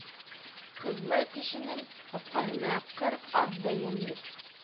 Ҡыҙлы кешенең ҡапҡаһына ҡырҡ ат бәйләнер.